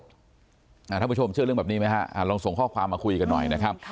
ท่านผู้ชมเชื่อเรื่องแบบนี้ไหมฮะลองส่งข้อความมาคุยกันหน่อยนะครับ